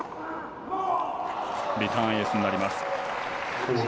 リターンエースになります。